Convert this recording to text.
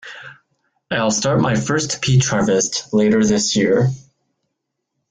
I'll start my first peach harvest later this year.